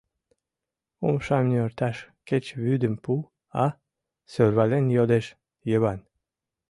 Умшам нӧрташ кеч вӱдым пу, а? — сӧрвален йодеш Йыван.